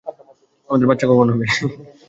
আমাদের বাচ্চা কখন হবে?